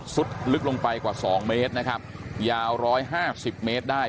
สุดลึกลงไปกว่าสองเมตรนะครับยาวร้อยห้าสิบเมตรได้